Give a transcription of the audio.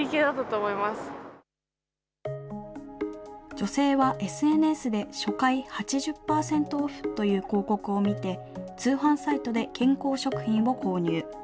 女性はＳＮＳで初回８０％オフという広告を見て、通販サイトで健康食品を購入。